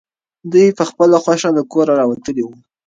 دی په خپله خوښه له کوره راوتلی و.